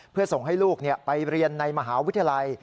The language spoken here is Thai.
เพื่อส่งให้ลูกไปเรียนในมหาวิทยาลัย